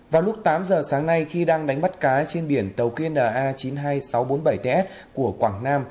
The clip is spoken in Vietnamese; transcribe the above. vào lúc tám giờ sáng nay khi đang đánh bắt cá trên biển tàu kinna chín mươi hai nghìn sáu trăm bốn mươi bảy ts của quảng nam